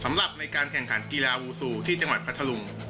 สำหรับในการแข่งขันกีฬาวูซูที่จังหวัดพัทธลุง